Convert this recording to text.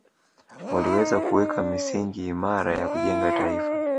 Waliweza kuweka misingi imara ya kujenga taifa